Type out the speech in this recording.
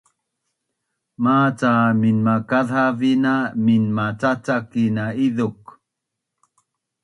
Maca minmakazhavin na minmacacakin na izuk